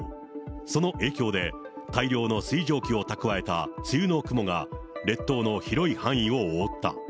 その影響で、大量の水蒸気を蓄えた梅雨の雲が列島の広い範囲を覆った。